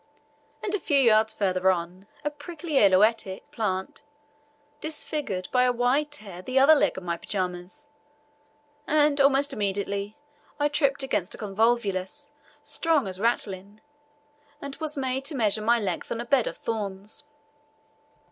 A few yards farther on, a prickly aloetic plant disfigured by a wide tear the other leg of my pyjamas, and almost immediately I tripped against a convolvulus strong as ratline, and was made to measure my length on a bed of thorns.